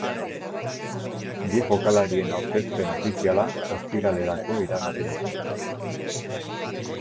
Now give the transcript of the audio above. Bi jokalarien aurkezpen ofiziala ostiralerao iragarri dute.